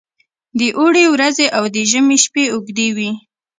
د اوړي ورځې او د ژمي شپې اوږې وي.